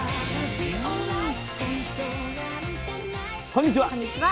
こんにちは。